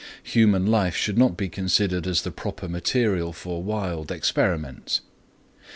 Human life should not be considered as the proper material for wild experiments.